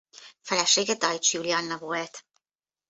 Felesége Deutsch Julianna volt.